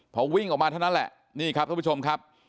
พอวิ่งออกมาเท่านั้นแหละนี่ครับท่านผู้ชมครับ